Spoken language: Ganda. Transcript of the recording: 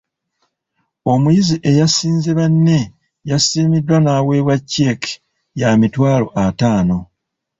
Omuyizi eyasinze banne yasiimiddwa n’aweebwa cceeke ya mitwalo ataano.